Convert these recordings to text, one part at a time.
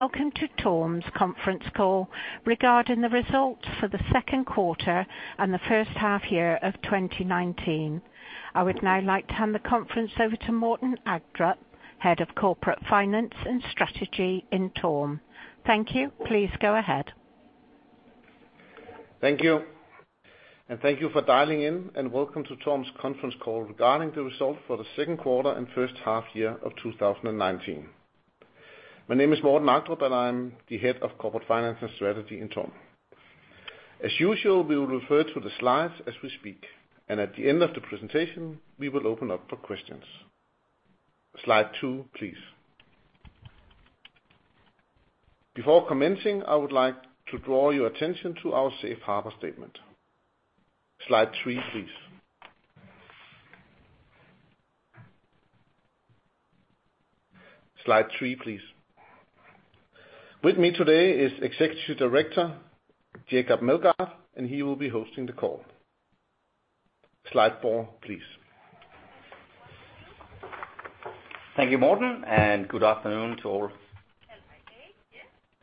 Welcome to TORM's conference call regarding the results for the second quarter and the first half year of 2019. I would now like to hand the conference over to Morten Agdrup, Head of Corporate Finance and Strategy in TORM. Thank you. Please go ahead. Thank you, thank you for dialing in, and welcome to TORM's conference call regarding the results for the second quarter and first half year of 2019. My name is Morten Agdrup, and I'm the head of Corporate Finance and Strategy in TORM. As usual, we will refer to the slides as we speak, and at the end of the presentation, we will open up for questions. Slide 2, please. Before commencing, I would like to draw your attention to our safe harbor statement. Slide 3, please. Slide 3, please. With me today is Executive Director, Jacob Meldgaard, and he will be hosting the call. Slide 4, please. Thank you, Morten, and good afternoon to all.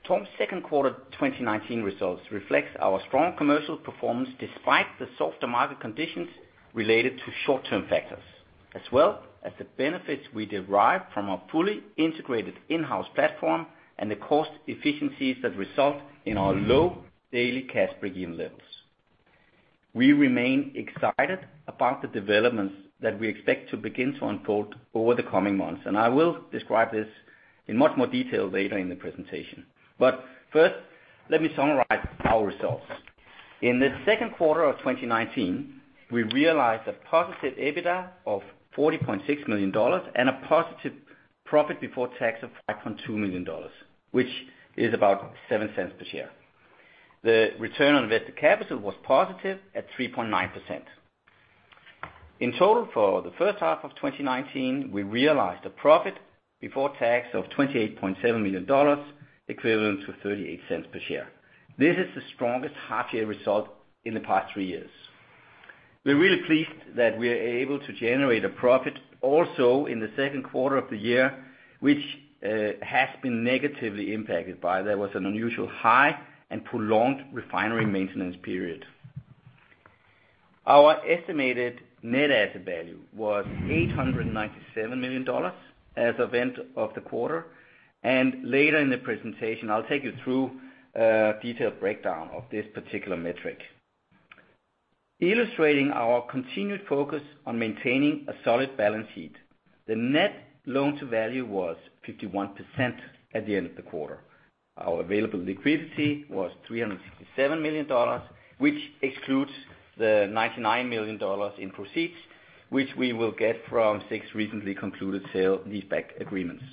TORM's second quarter 2019 results reflects our strong commercial performance, despite the softer market conditions related to short-term factors, as well as the benefits we derive from our fully integrated in-house platform and the cost efficiencies that result in our low daily cash break-even levels. We remain excited about the developments that we expect to begin to unfold over the coming months, and I will describe this in much more detail later in the presentation. First, let me summarize our results. In the second quarter of 2019, we realized a positive EBITDA of $40.6 million and a positive profit before tax of $5.2 million, which is about $0.07 per share. The return on invested capital was positive at 3.9%. In total, for the first half of 2019, we realized a profit before tax of $28.7 million, equivalent to $0.38 per share. This is the strongest half-year result in the past three years. We're really pleased that we are able to generate a profit also in the second quarter of the year, which has been negatively impacted by there was an unusual high and prolonged refinery maintenance period. Our estimated net asset value was $897 million as event of the quarter, and later in the presentation, I'll take you through a detailed breakdown of this particular metric. Illustrating our continued focus on maintaining a solid balance sheet, the net loan to value was 51% at the end of the quarter. Our available liquidity was $367 million, which excludes the $99 million in proceeds, which we will get from six recently concluded sale-leaseback agreements.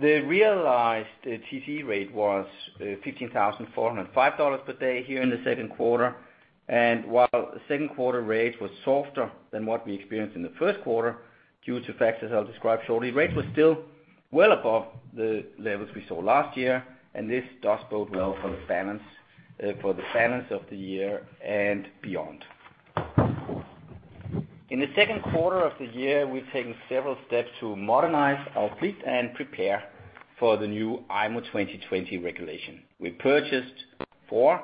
The realized TCE rate was $15,405 per day here in the second quarter. While the second quarter rate was softer than what we experienced in the first quarter, due to factors I'll describe shortly, rate was still well above the levels we saw last year. This does bode well for the balance of the year and beyond. In the second quarter of the year, we've taken several steps to modernize our fleet and prepare for the new IMO 2020 regulation. We purchased 4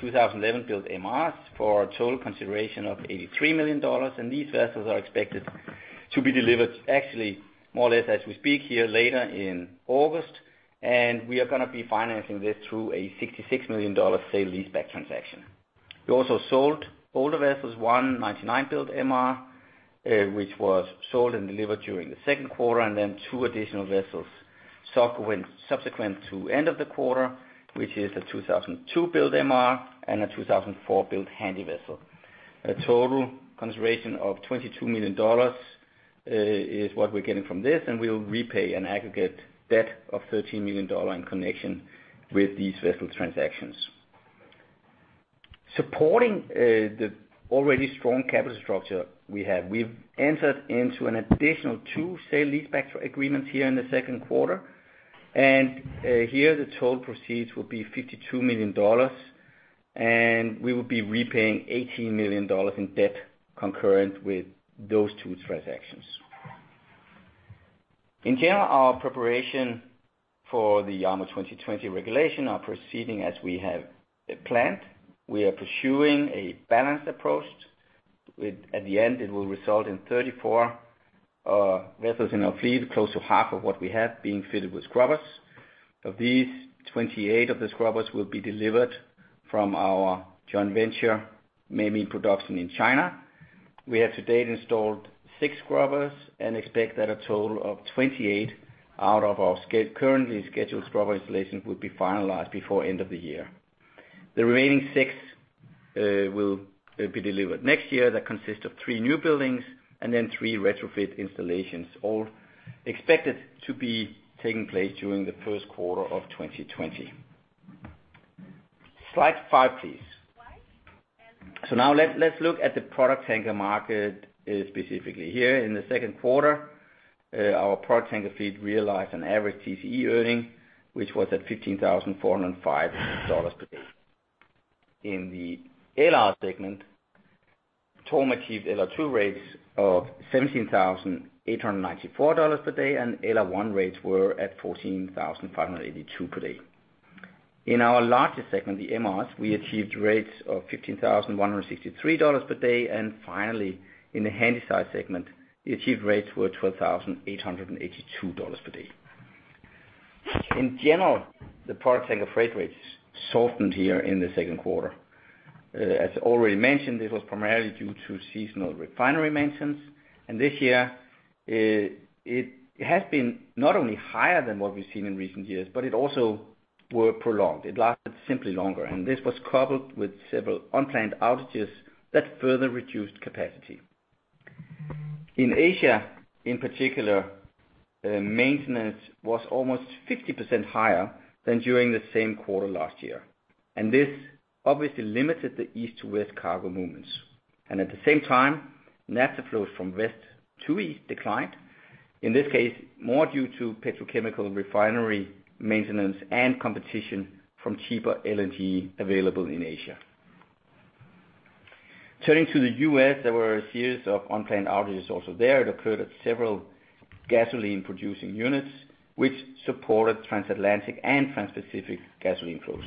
2011-built MRs for a total consideration of $83 million. These vessels are expected to be delivered actually, more or less, as we speak here, later in August. We are going to be financing this through a $66 million sale-leaseback transaction. We also sold older vessels, 1 1999-built MR, which was sold and delivered during the second quarter. 2 additional vessels. Stock went subsequent to end of the quarter, which is a 2002-built MR and a 2004-built Handysize vessel. A total consideration of $22 million is what we're getting from this. We will repay an aggregate debt of $13 million in connection with these vessel transactions. Supporting the already strong capital structure we have, we've entered into an additional two sale-leaseback agreements here in the second quarter. Here, the total proceeds will be $52 million, and we will be repaying $18 million in debt concurrent with those two transactions. In general, our preparation for the IMO 2020 regulation are proceeding as we have planned. We are pursuing a balanced approach, with, at the end, it will result in 34 vessels in our fleet close to half of what we have, being fitted with scrubbers. Of these, 28 of the scrubbers will be delivered from our joint venture, ME Production China. We have to date installed six scrubbers and expect that a total of 28 out of our currently scheduled scrubber installations will be finalized before end of the year. The remaining 6 will be delivered next year. That consists of 3 new buildings and then 3 retrofit installations, all expected to be taking place during the first quarter of 2020. Slide 5, please. Now let's look at the product tanker market specifically here. In the second quarter, our product tanker fleet realized an average TCE earning, which was at $15,405 per day. In the LR segment, TORM achieved LR2 rates of $17,894 per day, and LR1 rates were at $14,582 per day. In our largest segment, the MRs, we achieved rates of $15,163 per day, and finally, in the Handysize segment, the achieved rates were $12,882 per day. In general, the product tanker freight rates softened here in the second quarter. As already mentioned, this was primarily due to seasonal refinery maintenance, and this year, it has been not only higher than what we've seen in recent years, but it also were prolonged. It lasted simply longer, and this was coupled with several unplanned outages that further reduced capacity. In Asia, in particular, maintenance was almost 50% higher than during the same quarter last year, and this obviously limited the east to west cargo movements. At the same time, natural flows from west to east declined, in this case, more due to petrochemical refinery maintenance and competition from cheaper LNG available in Asia. Turning to the US, there were a series of unplanned outages also there. It occurred at several gasoline-producing units, which supported transatlantic and transpacific gasoline flows.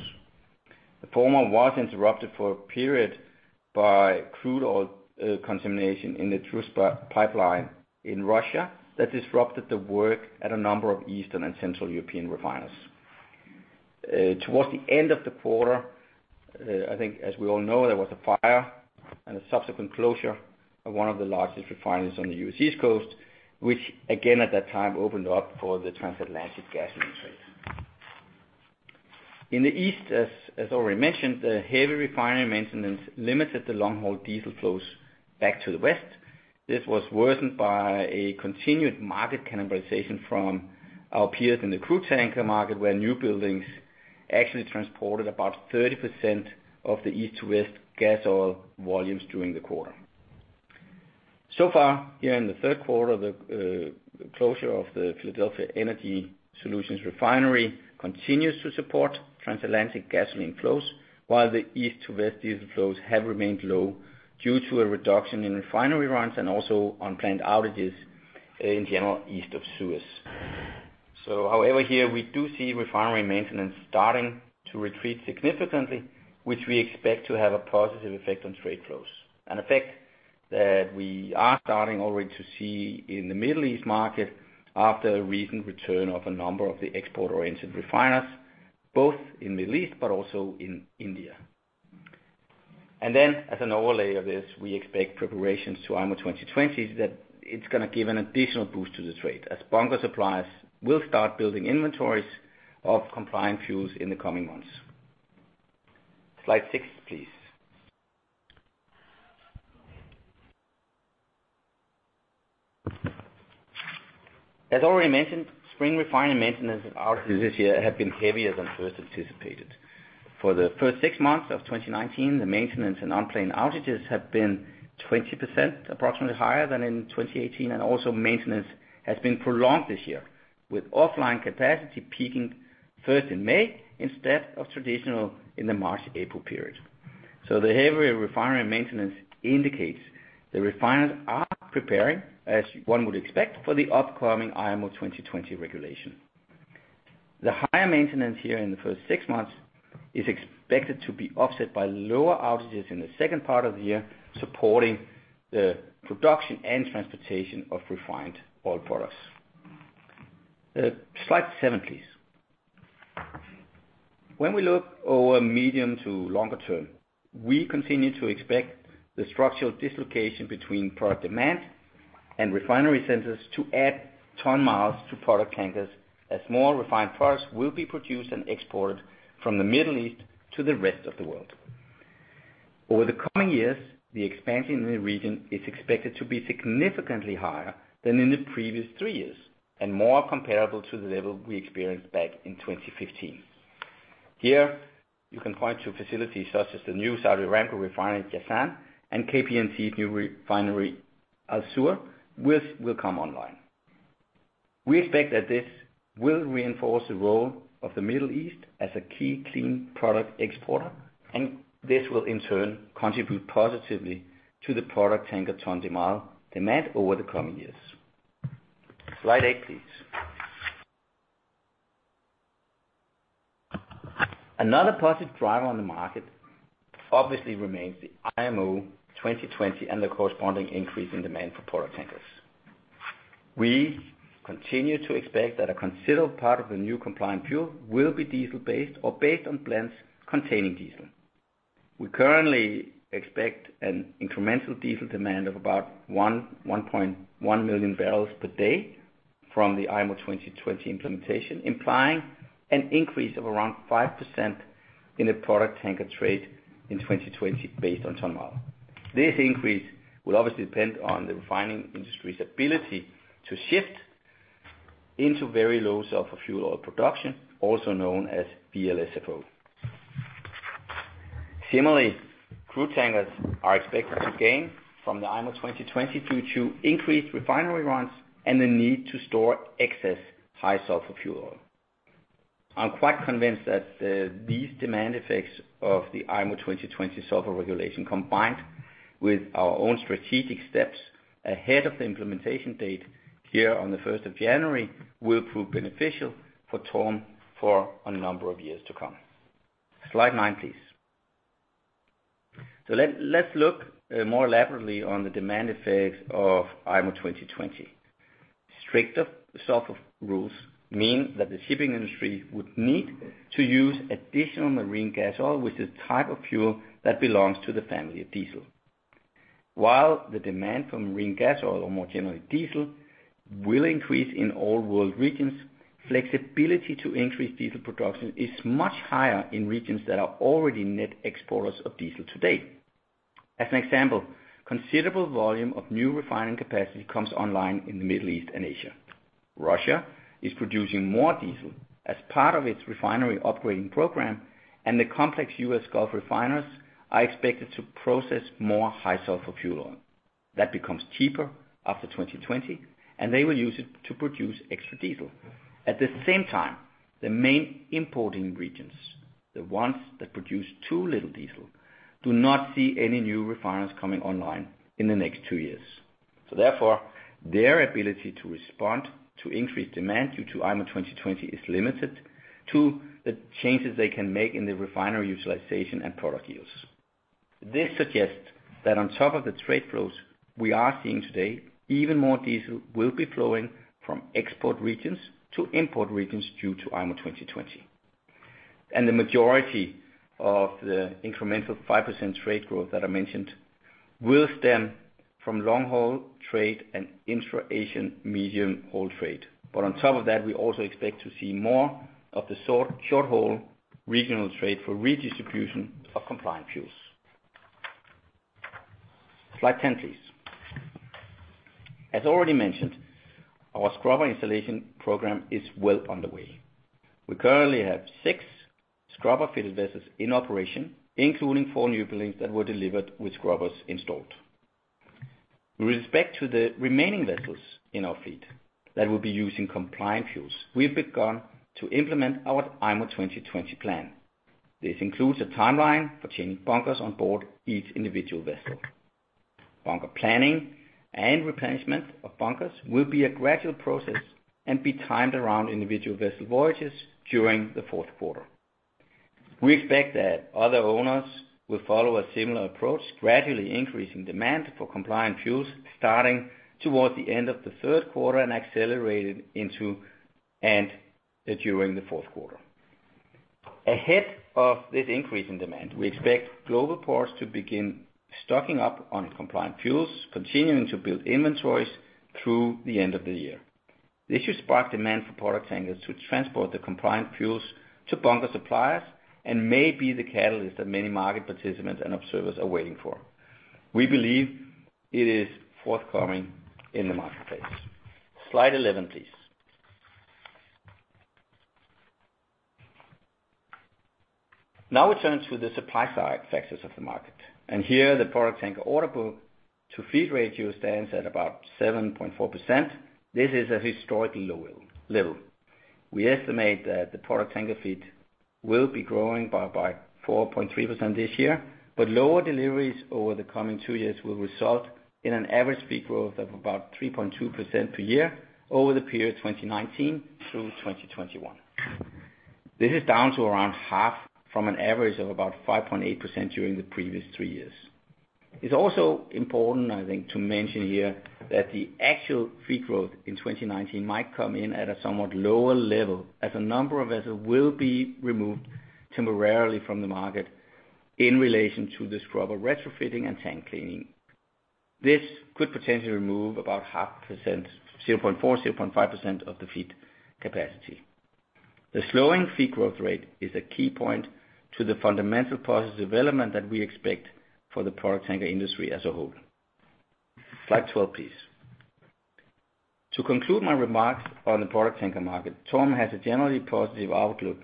The former was interrupted for a period by crude oil contamination in the Druzhba pipeline in Russia that disrupted the work at a number of Eastern and Central European refiners. Towards the end of the quarter, I think as we all know, there was a fire and a subsequent closure of one of the largest refineries on the US East Coast, which again, at that time, opened up for the transatlantic gasoline trade. In the east, as already mentioned, the heavy refinery maintenance limited the long-haul diesel flows back to the west. This was worsened by a continued market cannibalization from our peers in the crude tanker market, where new buildings actually transported about 30% of the east to west gas oil volumes during the quarter. Far, here in the third quarter, the closure of the Philadelphia Energy Solutions refinery continues to support transatlantic gasoline flows, while the east to west diesel flows have remained low due to a reduction in refinery runs and also unplanned outages in general, east of Suez. However, here we do see refinery maintenance starting to retreat significantly, which we expect to have a positive effect on trade flows. An effect that we are starting already to see in the Middle East market after a recent return of a number of the export-oriented refiners, both in the Middle East but also in India. As an overlay of this, we expect preparations to IMO 2020 is that it's gonna give an additional boost to the trade, as bunker suppliers will start building inventories of compliant fuels in the coming months. Slide 6, please. As already mentioned, spring refinery maintenance and outages this year have been heavier than first anticipated. For the first six months of 2019, the maintenance and unplanned outages have been 20%, approximately higher than in 2018, and also maintenance has been prolonged this year, with offline capacity peaking first in May instead of traditional in the March, April period. The heavy refinery maintenance indicates the refiners are preparing, as one would expect, for the upcoming IMO 2020 regulation. The higher maintenance here in the first six months is expected to be offset by lower outages in the second part of the year, supporting the production and transportation of refined oil products. Slide 7, please. When we look over medium to longer term, we continue to expect the structural dislocation between product demand and refinery centers to add ton-miles to product tankers, as more refined products will be produced and exported from the Middle East to the rest of the world. Over the coming years, the expansion in the region is expected to be significantly higher than in the previous three years and more comparable to the level we experienced back in 2015. Here, you can point to facilities such as the new Saudi Aramco refinery, Jazan, and KNPC's new refinery, Al-Zour, which will come online. We expect that this will reinforce the role of the Middle East as a key clean product exporter. This will, in turn, contribute positively to the product tanker ton demand over the coming years. Slide eight, please. Another positive driver on the market obviously remains the IMO 2020 and the corresponding increase in demand for product tankers. We continue to expect that a considered part of the new compliant fuel will be diesel-based or based on blends containing diesel. We currently expect an incremental diesel demand of about 1.1 million barrels per day from the IMO 2020 implementation, implying an increase of around 5% in the product tanker trade in 2020 based on ton-miles. This increase will obviously depend on the refining industry's ability to shift into very low sulfur fuel oil production, also known as VLSFO. Similarly, crude tankers are expected to gain from the IMO 2020 due to increased refinery runs and the need to store excess high sulfur fuel oil.... I'm quite convinced that these demand effects of the IMO 2020 sulfur regulation, combined with our own strategic steps ahead of the implementation date here on the first of January, will prove beneficial for TORM for a number of years to come. Slide 9, please. Let's look more elaborately on the demand effects of IMO 2020. Stricter sulfur rules mean that the shipping industry would need to use additional marine gas oil, which is type of fuel that belongs to the family of diesel. While the demand for marine gas oil, or more generally, diesel, will increase in all world regions, flexibility to increase diesel production is much higher in regions that are already net exporters of diesel today. As an example, considerable volume of new refining capacity comes online in the Middle East and Asia. Russia is producing more diesel as part of its refinery upgrading program. The complex U.S. Gulf refiners are expected to process more high sulfur fuel oil. That becomes cheaper after 2020. They will use it to produce extra diesel. At the same time, the main importing regions, the ones that produce too little diesel, do not see any new refiners coming online in the next two years. Therefore, their ability to respond to increased demand due to IMO 2020 is limited to the changes they can make in the refinery utilization and product use. This suggests that on top of the trade flows we are seeing today, even more diesel will be flowing from export regions to import regions due to IMO 2020. The majority of the incremental 5% trade growth that I mentioned will stem from long-haul trade and intra-Asian medium-haul trade. On top of that, we also expect to see more of the sort, short-haul regional trade for redistribution of compliant fuels. Slide 10, please. As already mentioned, our scrubber installation program is well underway. We currently have 6 scrubber-fitted vessels in operation, including 4 new buildings that were delivered with scrubbers installed. With respect to the remaining vessels in our fleet that will be using compliant fuels, we've begun to implement our IMO 2020 plan. This includes a timeline for changing bunkers on board each individual vessel. Bunker planning and replenishment of bunkers will be a gradual process and be timed around individual vessel voyages during the fourth quarter. We expect that other owners will follow a similar approach, gradually increasing demand for compliant fuels, starting towards the end of the third quarter and accelerated into and during the fourth quarter. Ahead of this increase in demand, we expect global ports to begin stocking up on compliant fuels, continuing to build inventories through the end of the year. This should spark demand for product tankers to transport the compliant fuels to bunker suppliers and may be the catalyst that many market participants and observers are waiting for. We believe it is forthcoming in the marketplace. Slide 11, please. We turn to the supply side factors of the market, and here, the product tanker orderbook-to-fleet ratio stands at about 7.4%. This is a historically low level. We estimate that the product tanker fleet will be growing by 4.3% this year. Lower deliveries over the coming 2 years will result in an average fleet growth of about 3.2% per year over the period 2019-2021. This is down to around half from an average of about 5.8% during the previous 3 years. It's also important, I think, to mention here that the actual fleet growth in 2019 might come in at a somewhat lower level, as a number of vessels will be removed temporarily from the market in relation to the scrubber retrofitting and tank cleaning. This could potentially remove about 0.5%, 0.4%-0.5% of the fleet capacity. The slowing fleet growth rate is a key point to the fundamental positive development that we expect for the product tanker industry as a whole. Slide 12, please. To conclude my remarks on the product tanker market, TORM has a generally positive outlook,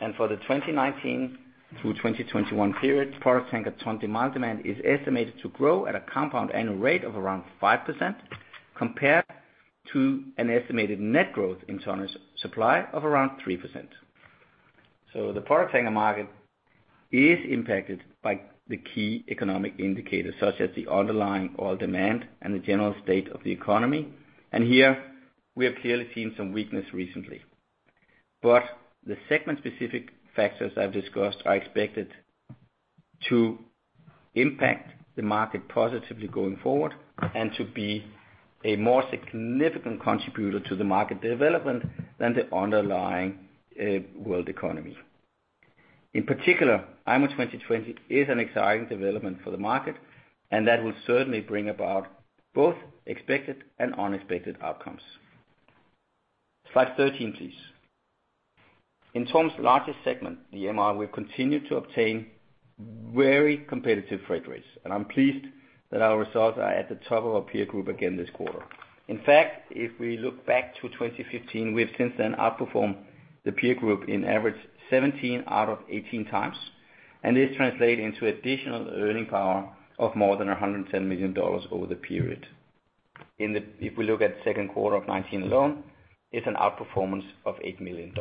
and for the 2019 through 2021 period, product tanker ton demand is estimated to grow at a compound annual rate of around 5%, compared to an estimated net growth in ton supply of around 3%. The product tanker market is impacted by the key economic indicators, such as the underlying oil demand and the general state of the economy. Here, we have clearly seen some weakness recently. The segment-specific factors I've discussed are expected to impact the market positively going forward, and to be a more significant contributor to the market development than the underlying world economy. In particular, IMO 2020 is an exciting development for the market, and that will certainly bring about both expected and unexpected outcomes. Slide 13, please. In TORM's largest segment, the MR, we've continued to obtain very competitive freight rates, and I'm pleased that our results are at the top of our peer group again this quarter. In fact, if we look back to 2015, we have since then outperformed the peer group in average 17 out of 18 times, and this translate into additional earning power of more than $110 million over the period. If we look at second quarter of 2019 alone, it's an outperformance of $8 million.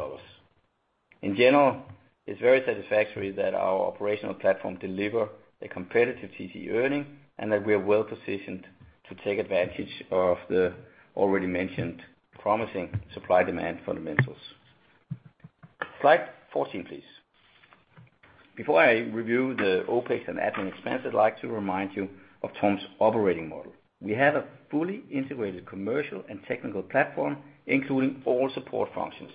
In general, it's very satisfactory that our operational platform deliver a competitive TCE earning, and that we are well positioned to take advantage of the already mentioned promising supply-demand fundamentals. Slide 14, please. Before I review the OpEx and admin expense, I'd like to remind you of TORM's operating model. We have a fully integrated commercial and technical platform, including all support functions,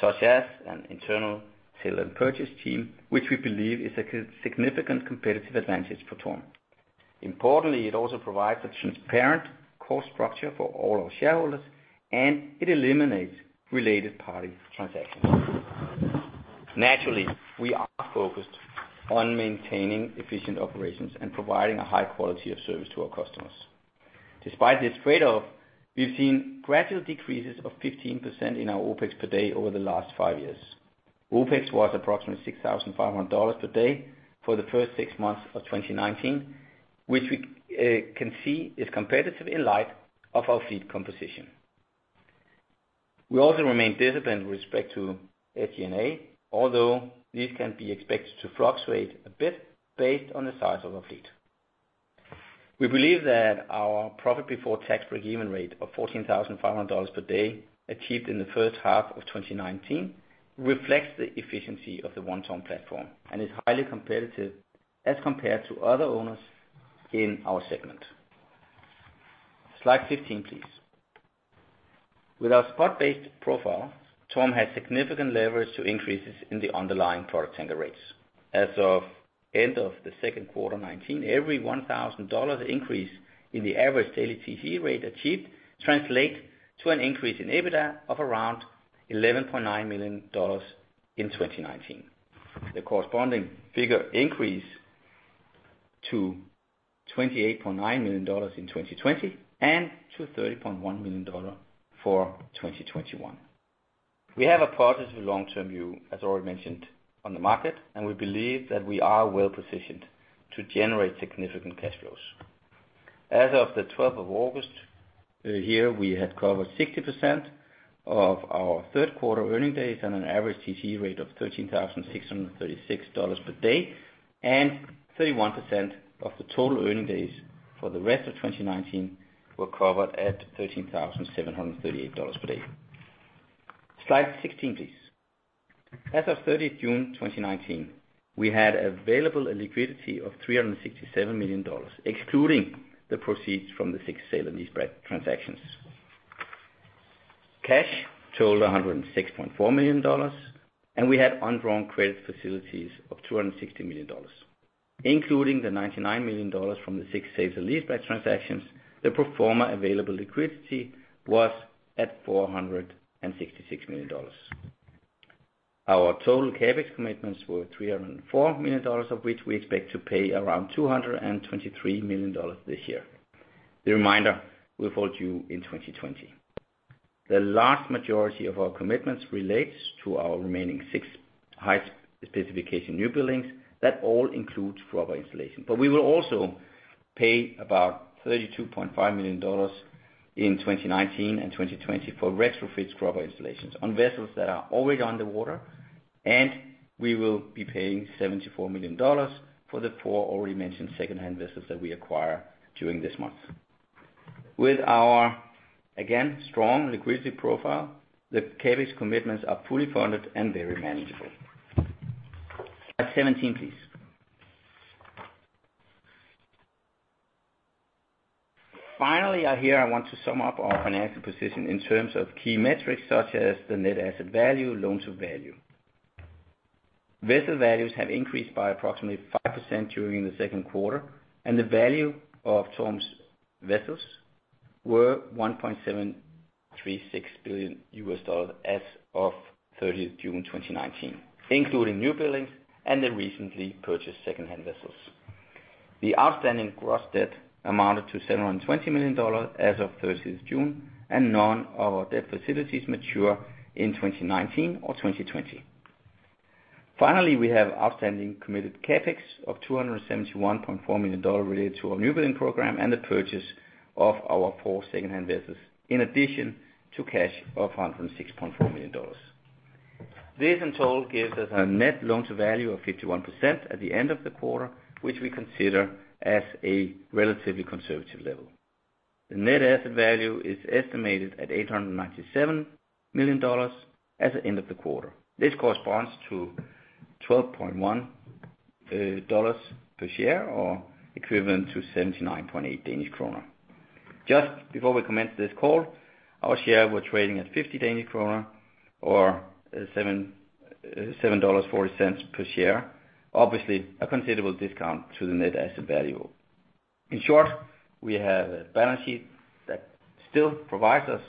such as an internal sales and purchase team, which we believe is a significant competitive advantage for TORM. Importantly, it also provides a transparent cost structure for all our shareholders, and it eliminates related party transactions. Naturally, we are focused on maintaining efficient operations and providing a high quality of service to our customers. Despite this trade-off, we've seen gradual decreases of 15% in our OpEx per day over the last 5 years. OpEx was approximately $6,500 per day for the first six months of 2019, which we can see is competitive in light of our fleet composition. We also remain disciplined with respect to SG&A, although this can be expected to fluctuate a bit based on the size of our fleet. We believe that our profit before tax break-even rate of $14,500 per day, achieved in the first half of 2019, reflects the efficiency of the One TORM platform, and is highly competitive as compared to other owners in our segment. Slide 15, please. With our spot-based profile, TORM has significant leverage to increases in the underlying product tanker rates. As of end of the second quarter 2019, every $1,000 increase in the average daily TCE rate achieved translate to an increase in EBITDA of around $11.9 million in 2019. The corresponding figure increase to $28.9 million in 2020, and to $30.1 million for 2021. We have a positive long-term view, as already mentioned, on the market, we believe that we are well positioned to generate significant cash flows. Of the 12th of August, here, we had covered 60% of our third quarter earning days on an average TCE rate of $13,636 per day, 31% of the total earning days for the rest of 2019 were covered at $13,738 per day. Slide 16, please. Of 30th June, 2019, we had available a liquidity of $367 million, excluding the proceeds from the 6 sale-leaseback transactions. Cash totaled $106.4 million, and we had undrawn credit facilities of $260 million, including the $99 million from the six sale-leaseback transactions, the pro forma available liquidity was at $466 million. Our total CapEx commitments were $304 million, of which we expect to pay around $223 million this year. The remainder will fall due in 2020. The large majority of our commitments relates to our remaining six high specification new buildings. That all includes scrubber installation. We will also pay about $32.5 million in 2019 and 2020 for retrofit scrubber installations on vessels that are already on the water, and we will be paying $74 million for the 4 already mentioned second-hand vessels that we acquire during this month. With our, again, strong liquidity profile, the CapEx commitments are fully funded and very manageable. Slide 17, please. Finally, here I want to sum up our financial position in terms of key metrics, such as the net asset value, loan to value. Vessel values have increased by approximately 5% during the second quarter, and the value of TORM's vessels were $1.736 billion as of June 30, 2019, including new buildings and the recently purchased second-hand vessels. The outstanding gross debt amounted to $720 million as of 30th June, and none of our debt facilities mature in 2019 or 2020. Finally, we have outstanding committed CapEx of $271.4 million related to our new building program and the purchase of our four second-hand vessels, in addition to cash of $106.4 million. This in total gives us a net loan to value of 51% at the end of the quarter, which we consider as a relatively conservative level. The net asset value is estimated at $897 million at the end of the quarter. This corresponds to $12.1 per share, or equivalent to 79.8 Danish kroner. Just before we commenced this call, our share was trading at 50 Danish kroner or, $7.40 per share. Obviously, a considerable discount to the net asset value. In short, we have a balance sheet that still provides us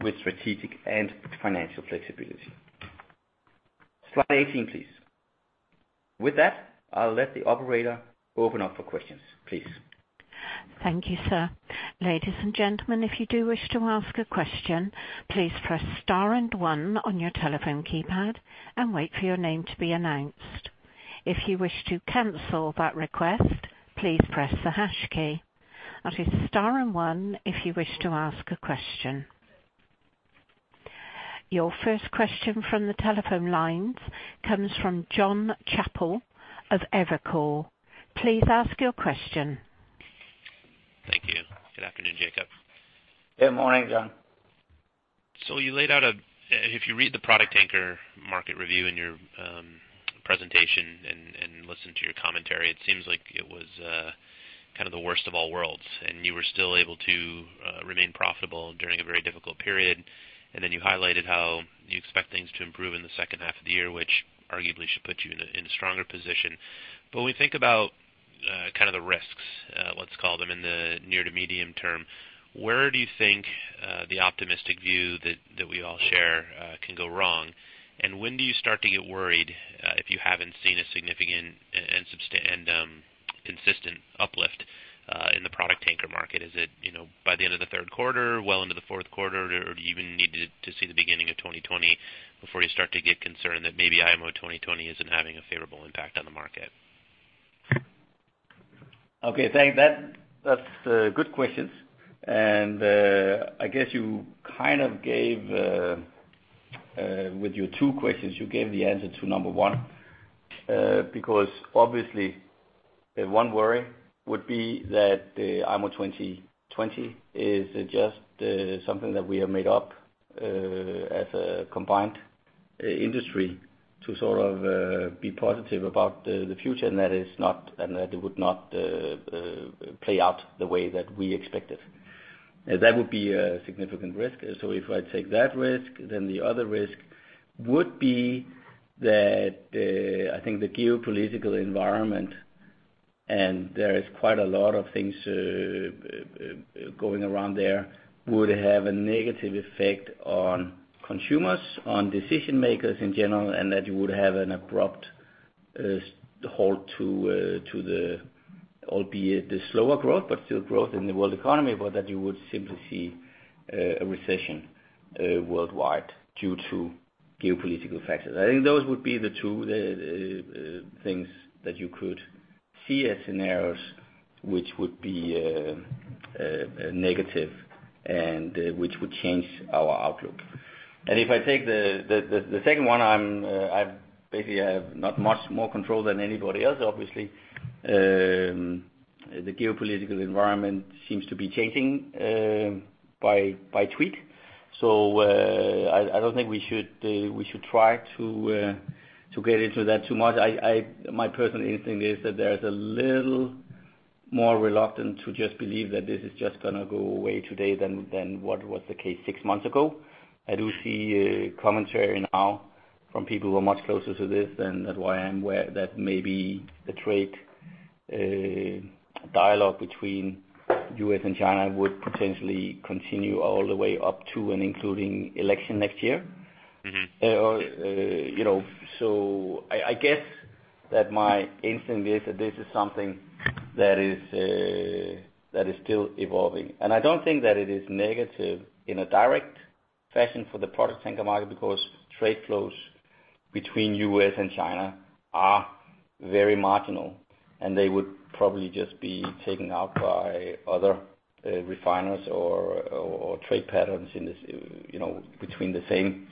with strategic and financial flexibility. Slide 18, please. With that, I'll let the operator open up for questions, please. Thank you, sir. Ladies and gentlemen, if you do wish to ask a question, please press star and one on your telephone keypad, and wait for your name to be announced. If you wish to cancel that request, please press the hash key. That is star and one if you wish to ask a question. Your first question from the telephone lines comes from Jon Chappell of Evercore. Please ask your question. Thank you. Good afternoon, Jacob. Good morning, Jon. You laid out a, if you read the product tanker market review in your presentation and listened to your commentary, it seems like it was kind of the worst of all worlds, and you were still able to remain profitable during a very difficult period. You highlighted how you expect things to improve in the second half of the year, which arguably should put you in a stronger position. When we think about kind of the risks, let's call them in the near to medium term, where do you think the optimistic view that we all share can go wrong? When do you start to get worried if you haven't seen a significant and consistent uplift in the product tanker market? Is it, you know, by the end of the third quarter, well into the fourth quarter, or do you even need to see the beginning of 2020 before you start to get concerned that maybe IMO 2020 isn't having a favorable impact on the market? Okay, thank that's good questions. I guess you kind of gave with your 2 questions, you gave the answer to number 1. Because obviously, one worry would be that the IMO 2020 is just something that we have made up as a combined industry to sort of be positive about the future, and that it would not play out the way that we expected. That would be a significant risk. If I take that risk, then the other risk would be that, I think the geopolitical environment, and there is quite a lot of things, going around there, would have a negative effect on consumers, on decision makers in general, and that you would have an abrupt, halt to the, albeit the slower growth, but still growth in the world economy, but that you would simply see, a recession, worldwide due to geopolitical factors. I think those would be the two, things that you could see as scenarios, which would be, negative and which would change our outlook. If I take the second one, I'm, I've basically have not much more control than anybody else. Obviously, the geopolitical environment seems to be changing, by tweet. I don't think we should, we should try to get into that too much. My personal instinct is that there's a little more reluctant to just believe that this is just gonna go away today than what was the case six months ago. I do see commentary now from people who are much closer to this than at where I am, where that maybe the trade dialogue between U.S. and China would potentially continue all the way up to and including election next year. Mm-hmm. You know, so I guess that my instinct is that this is something that is that is still evolving. I don't think that it is negative in a direct fashion for the product tanker market, because trade flows between US and China are very marginal, and they would probably just be taken out by other refiners or trade patterns in this, you know, between the same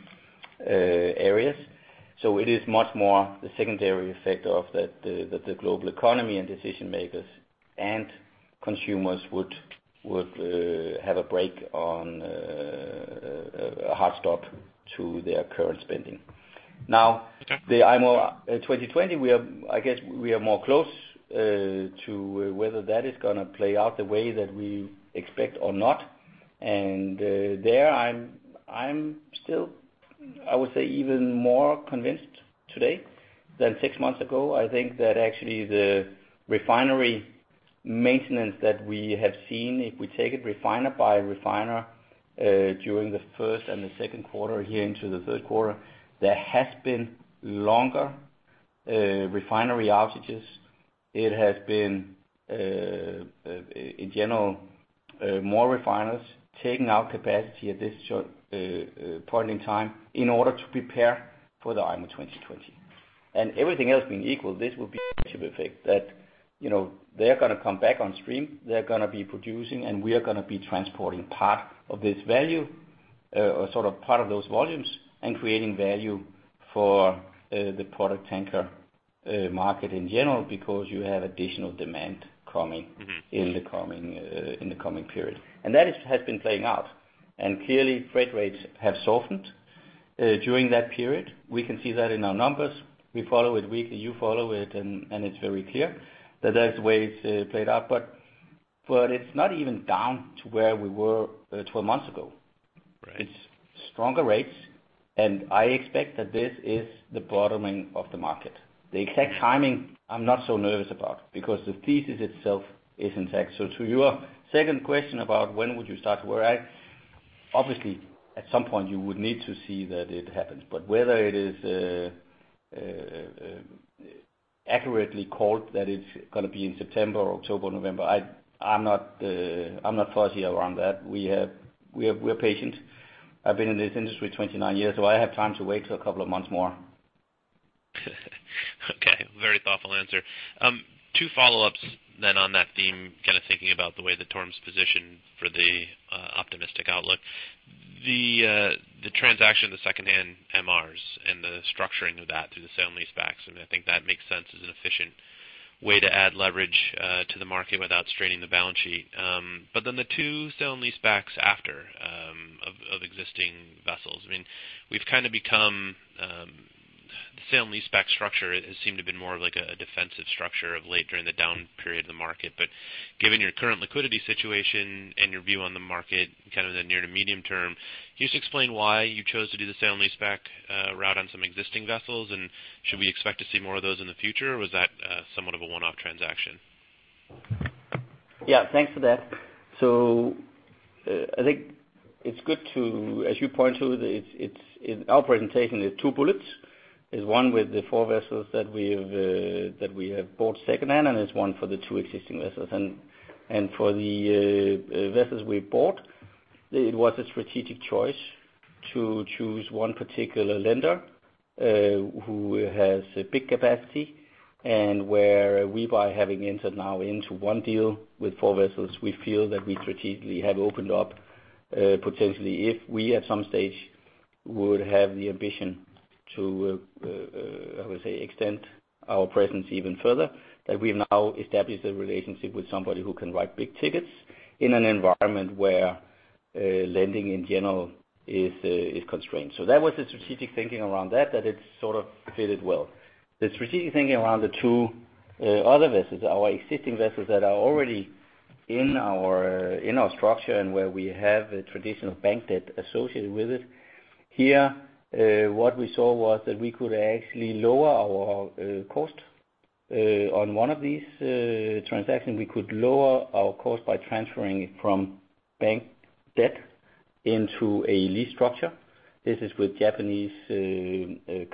areas. It is much more the secondary effect of that the global economy and decision makers and consumers would have a break on a hard stop to their current spending. The IMO 2020, we are, I guess, we are more close to whether that is gonna play out the way that we expect or not. There, I'm still, I would say, even more convinced today than 6 months ago. I think that actually the refinery maintenance that we have seen, if we take it refiner by refiner, during the first and the second quarter here into the third quarter, there has been longer refinery outages. It has been, in general, more refiners taking out capacity at this short point in time in order to prepare for the IMO 2020. Everything else being equal, this will be to the effect that, you know, they're gonna come back on stream, they're gonna be producing, and we are gonna be transporting part of this value, or sort of part of those volumes, and creating value for the product tanker market in general, because you have additional demand coming. Mm-hmm in the coming, in the coming period. That has been playing out. Clearly, freight rates have softened during that period. We can see that in our numbers. We follow it weekly, you follow it, and it's very clear that that's the way it's played out. It's not even down to where we were, 12 months ago. Right. It's stronger rates. I expect that this is the bottoming of the market. The exact timing, I'm not so nervous about, because the thesis itself is intact. To your second question about when would you start to worry, obviously, at some point you would need to see that it happens. Whether it is accurately called, that it's gonna be in September or October, November, I'm not fuzzy around that. We are, we're patient. I've been in this industry 29 years, so I have time to wait for a couple of months more. Okay, very thoughtful answer. 2 follow-ups then on that theme, kind of thinking about the way TORM's positioned for the optimistic outlook. The transaction, the secondhand MRs, and the structuring of that through the sale-leasebacks, I mean, I think that makes sense as an efficient way to add leverage to the market without straining the balance sheet. The 2 sale-leasebacks after of existing vessels, I mean, we've kind of become the sale-leaseback structure has seemed to have been more of like a defensive structure of late during the down period of the market. Given your current liquidity situation and your view on the market, kind of the near to medium term, can you just explain why you chose to do the sale-leaseback route on some existing vessels? Should we expect to see more of those in the future, or was that somewhat of a one-off transaction? Yeah, thanks for that. I think it's good as you point to, in our presentation, there's 2 bullets. There's 1 with the 4 vessels that we've that we have bought secondhand, and there's 1 for the 2 existing vessels. For the vessels we bought, it was a strategic choice to choose 1 particular lender, who has a big capacity, and where we, by having entered now into 1 deal with 4 vessels, we feel that we strategically have opened up potentially, if we, at some stage, would have the ambition to I would say, extend our presence even further, that we've now established a relationship with somebody who can write big tickets in an environment where lending, in general, is constrained. That was the strategic thinking around that it sort of fitted well. The strategic thinking around the two other vessels, our existing vessels that are already in our, in our structure and where we have a traditional bank debt associated with it, here, what we saw was that we could actually lower our cost. On one of these transactions, we could lower our cost by transferring it from bank debt into a lease structure. This is with Japanese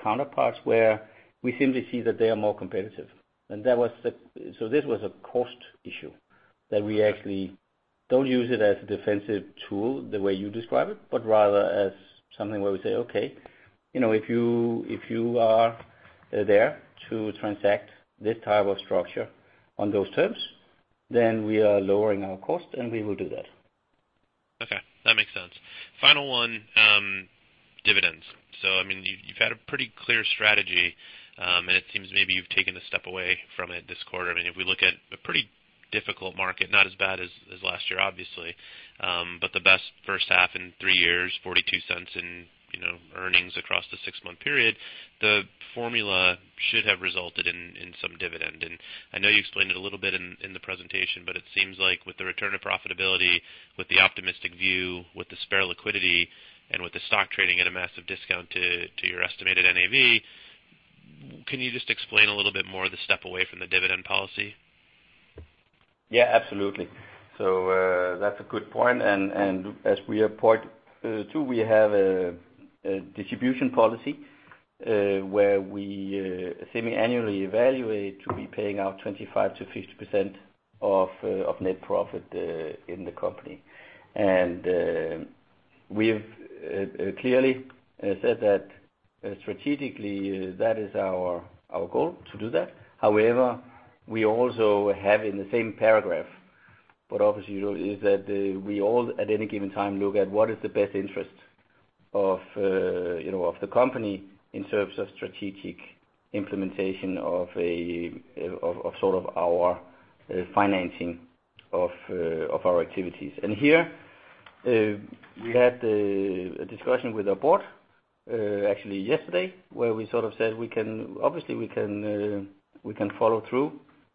counterparts, where we simply see that they are more competitive. This was a cost issue, that we actually don't use it as a defensive tool, the way you describe it, but rather as something where we say, "Okay, you know, if you, if you are there to transact this type of structure on those terms, then we are lowering our cost, and we will do that. Okay, that makes sense. Final one, dividends. I mean, you've had a pretty clear strategy, and it seems maybe you've taken a step away from it this quarter. I mean, if we look at a pretty difficult market, not as bad as last year, obviously, but the best first half in three years, $0.42 in, you know, earnings across the six-month period, the formula should have resulted in some dividend. I know you explained it a little bit in the presentation, but it seems like with the return of profitability, with the optimistic view, with the spare liquidity, and with the stock trading at a massive discount to your estimated NAV, can you just explain a little bit more the step away from the dividend policy? Yeah, absolutely. That's a good point, and as we have pointed to, we have a distribution policy, where we semiannually evaluate to be paying out 25%-50% of net profit in the company. We've clearly said that, strategically, that is our goal to do that. However, we also have, in the same paragraph, but obviously, is that, we all, at any given time, look at what is the best interest of, you know, of the company in terms of strategic implementation of sort of our financing of our activities. Here, we had a discussion with our board, actually yesterday, where we sort of said obviously, we can follow through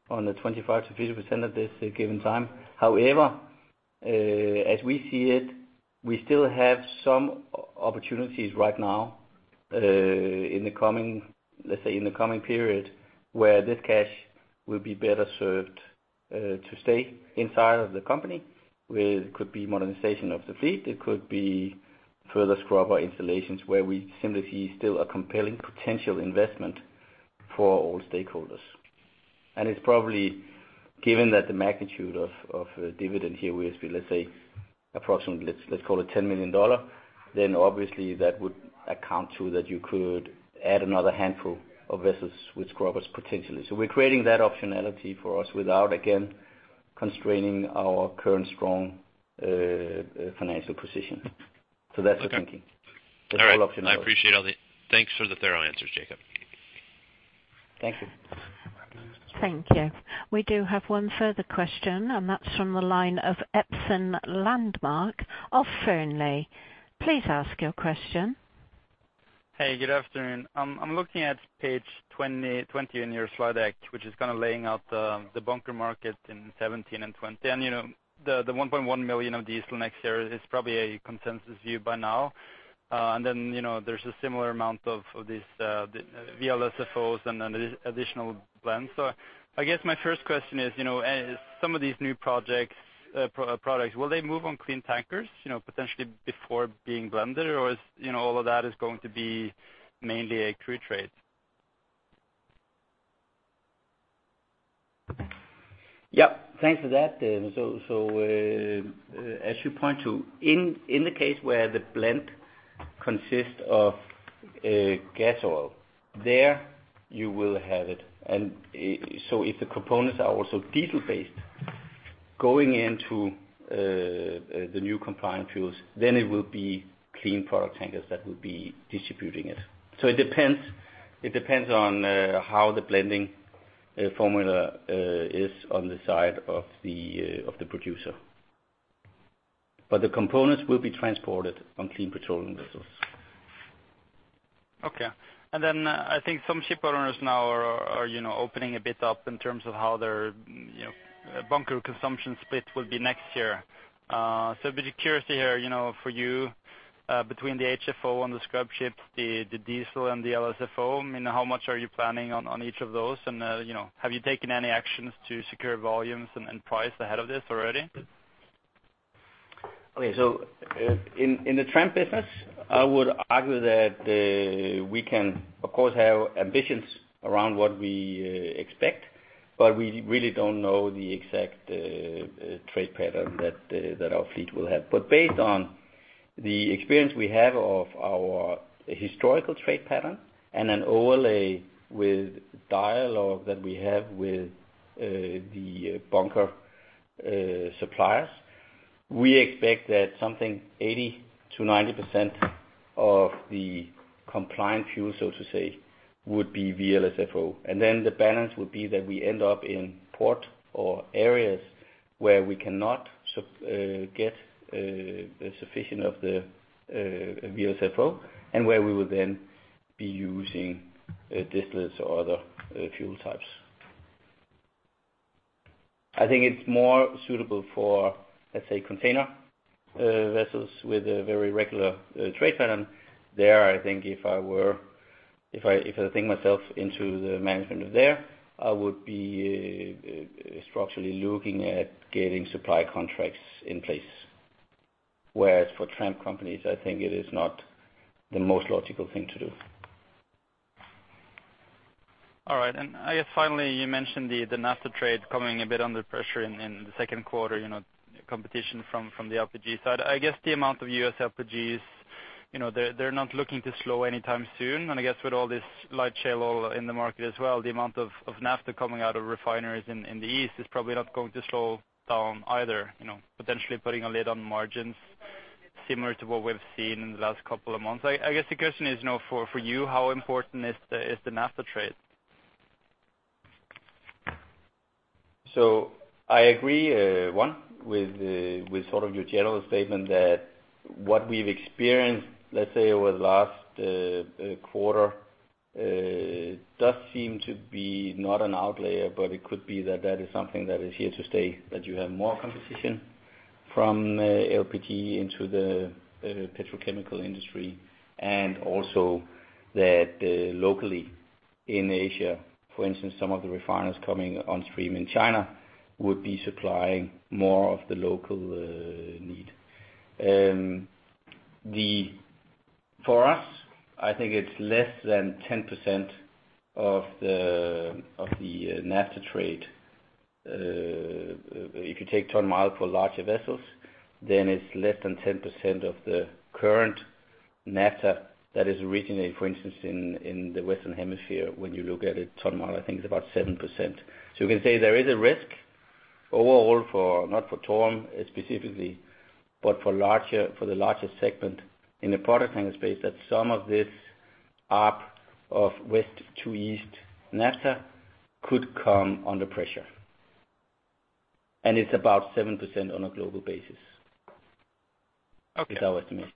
on the 25% to 50% at this given time. However, as we see it, we still have some opportunities right now, in the coming, let's say, in the coming period, where this cash will be better served, to stay inside of the company, where it could be modernization of the fleet, it could be further scrubber installations, where we simply see still a compelling potential investment for all stakeholders. It's probably, given that the magnitude of dividend here will be, let's say, approximately, let's call it $10 million, obviously that would account to that you could add another handful of vessels with scrubbers potentially. We're creating that optionality for us without, again, constraining our current strong, financial position. That's the thinking. Okay. That's all optional. All right. I appreciate thanks for the thorough answers, Jacob. Thank you. Thank you. We do have one further question, and that's from the line of Espen Landmark, of Fearnley. Please ask your question. Hey, good afternoon. I'm looking at page 20 in your slide deck, which is kind of laying out the bunker market in 2017 and 2020. You know, the 1.1 million of diesel next year is probably a consensus view by now. You know, there's a similar amount of this VLSFOs and then additional blends. I guess my first question is, you know, as some of these new products, will they move on clean tankers, you know, potentially before being blended? Is, you know, all of that is going to be mainly a crew trade? Thanks for that, Dan. As you point to, in the case where the blend consists of gas oil, there you will have it. If the components are also diesel-based, going into the new compliant fuels, then it will be clean product tankers that will be distributing it. It depends on how the blending formula is on the side of the producer. The components will be transported on clean petroleum vessels. Okay. I think some shipowners now are, you know, opening a bit up in terms of how their, you know, bunker consumption split will be next year. A bit of curiosity here, you know, for you, between the HFO and the scrub ships, the diesel and the LSFO, I mean, how much are you planning on each of those? Have you taken any actions to secure volumes and price ahead of this already? In the tramp business, I would argue that we can, of course, have ambitions around what we expect, but we really don't know the exact trade pattern that our fleet will have. Based on the experience we have of our historical trade pattern and an overlay with dialogue that we have with the bunker suppliers, we expect that something 80%-90% of the compliant fuel, so to say, would be VLSFO. The balance would be that we end up in port or areas where we cannot get sufficient of the VLSFO, and where we would then be using distills or other fuel types. I think it's more suitable for, let's say, container vessels with a very regular trade pattern. There, I think if I think myself into the management of there, I would be structurally looking at getting supply contracts in place. For tramp companies, I think it is not the most logical thing to do. All right. I guess finally, you mentioned the naphtha trade coming a bit under pressure in the second quarter, you know, competition from the LPG side. I guess, the amount of U.S. LPGs, you know, they're not looking to slow anytime soon. I guess with all this light shale oil in the market as well, the amount of naphtha coming out of refineries in the east is probably not going to slow down either, you know, potentially putting a lid on margins similar to what we've seen in the last couple of months. I guess the question is, you know, for you, how important is the, is the naphtha trade? I agree, one, with sort of your general statement that what we've experienced, let's say, over the last, quarter, does seem to be not an outlier, but it could be that that is something that is here to stay, that you have more competition from, LPG into the petrochemical industry, and also that, locally in Asia, for instance, some of the refiners coming on stream in China would be supplying more of the local, need. For us, I think it's less than 10% of the, of the, naphtha trade. If you take ton-mile for larger vessels, then it's less than 10% of the current naphtha that is originally, for instance, in the Western Hemisphere. When you look at it ton-mile, I think it's about 7%. You can say there is a risk overall for, not for TORM, specifically, but for the larger segment in the product tanker space, that some of this up of west to east naphtha could come under pressure. It's about 7% on a global basis. Okay. Is our estimate.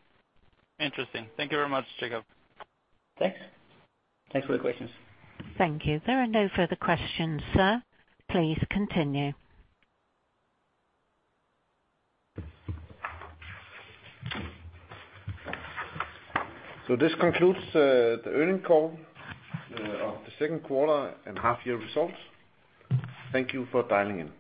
Interesting. Thank you very much, Jacob. Thanks. Thanks for the questions. Thank you. There are no further questions, sir. Please continue. This concludes the earnings call of the second quarter and half year results. Thank you for dialing in.